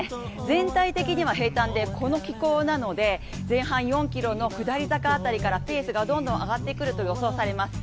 全体的には平たんで、この気候なので、前半４ｋｍの下り坂あたりから、ペースが上がってくると予想されます。